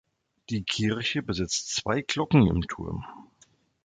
Die Kirche besitzt zwei Glocken im Turm.